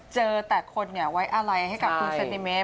เจอแต่คนเนี่ยไว้อะไลให้กับคุณเซติเมส